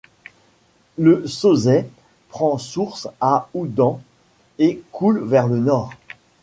Le Sauzay prend source à Oudan et coule vers le nord.